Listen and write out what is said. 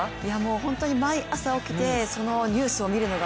本当に毎朝起きてそのニュースを見るのが